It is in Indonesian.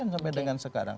sampai dengan sekarang